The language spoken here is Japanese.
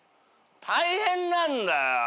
大変なんだよ。